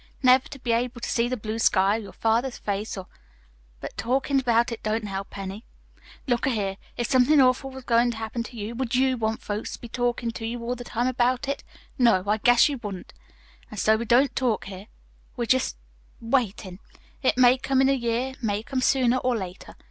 Never to be able to see the blue sky, or your father's face, or But talkin' about it don't help any. Look a here, if somethin' awful was goin' to happen to you, would YOU want folks to be talkin' to you all the time about it? No, I guess you wouldn't. An' so we don't talk here. We're just waitin'. It may come in a year, it may come sooner, or later.